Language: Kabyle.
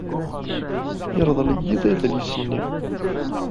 Yerḍel-iyi-d adlis-nni.